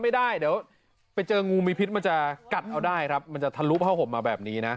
ไม่ได้เดี๋ยวไปเจองูมีพิษมันจะกัดเอาได้ครับมันจะทะลุผ้าห่มมาแบบนี้นะ